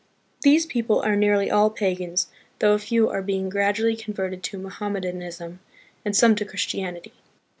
These peoples are nearly all pagans, though a few are being gradually converted to Moham medanism, and some to Christianity.